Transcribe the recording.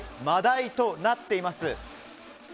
マダイとなっています。